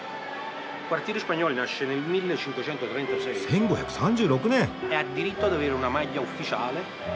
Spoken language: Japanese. １５３６年！